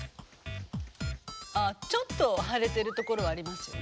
ああちょっと腫れてるところはありますよね。